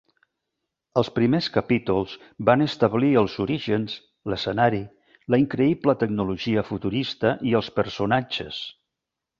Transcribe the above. Els primers capítols van establir els orígens, l'escenari, la increïble tecnologia futurista i els personatges.